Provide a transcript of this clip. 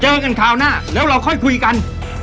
เจอกันคราวหน้าแล้วเราค่อยคุยกัน